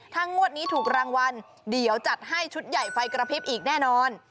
ถ้างวดนี้ถูกรางวัลเดี๋ยวจัดให้ชุดใหญ่ไฟกระพริบอีกแน่นอน